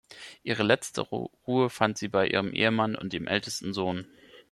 Ihre letzte Ruhe fand sie bei ihrem Ehemann und ihrem ältesten Sohn.